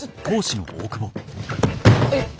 えっ？